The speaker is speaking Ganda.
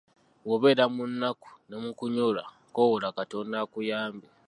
Bw’obeera mu nnaku ne mukunyolwa kowoola katonda akuyambe.